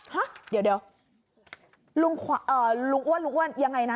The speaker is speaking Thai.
ห๊ะเดี๋ยวลุงขวัญเอ่อลุงอ้วนยังไงนะ